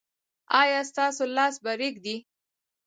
ایا ستاسو لاس به ریږدي؟